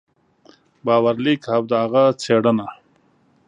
باور لیک او د هغه څېړنه